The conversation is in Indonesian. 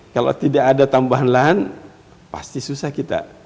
kalau tidak ada tambahan lahan pasti susah kita